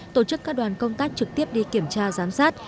tổ chức các đoàn công tác trực tiếp đi kiểm tra giám sát